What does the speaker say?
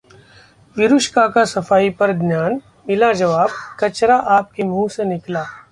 विरुष्का का सफाई पर ज्ञान, मिला जवाब- 'कचरा आपके मुंह से निकला'